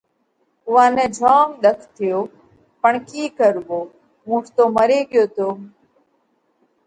اُوئا نئہ جوم ۮک ٿيو پڻ ڪِي ڪروو، اُونٺ تو مري ڳيو تو۔